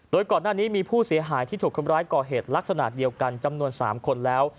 โดยก่อนหน้านี้มีผู้เสียหายที่ถูกคนร้ายก่อเหตุลักษณะเดียวกันจำนวน๓คนแล้ว